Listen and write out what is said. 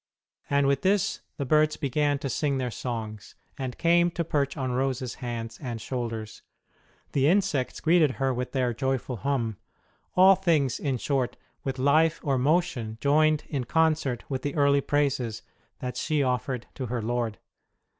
And with this the birds began to sing their songs, and came to perch on Rose s hands and shoulders, the insects greeted her with their joyful hum all things, in short, with life or motion joined in concert with the early praises that she offered to her Lord.